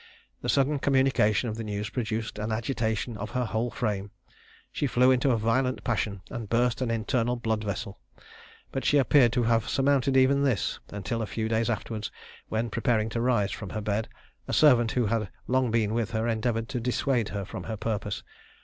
The sudden communication of the news produced an agitation of her whole frame. She flew into a violent passion, and burst an internal blood vessel: but she appeared to have surmounted even this, until a few days afterwards, when preparing to rise from her bed, a servant who had long been with her endeavoured to dissuade her from her purpose.